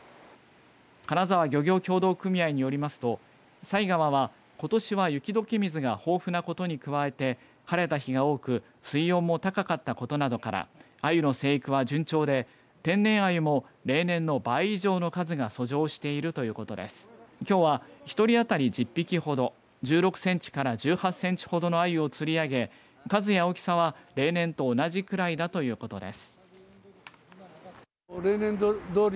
金沢漁業協同組合によりますと犀川は、ことしは雪どけ水が豊富なことに加えて晴れた日が多く水温も高かったことなどからアユの成育は順調で天然アユも、例年の倍以上の数が遡上しているということできょうは１人あたり１０匹ほど１６センチから１８センチほどのアユを釣り上げ数や大きさは、例年と同じくらいだということです。